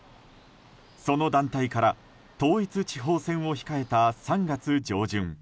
その団体から統一地方選を控えた３月上旬